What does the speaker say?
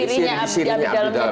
di sirinya abdi dalem